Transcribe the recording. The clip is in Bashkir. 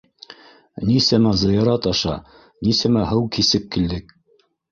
Нисәмә зыярат аша, нисәмә һыу кисеп килдек...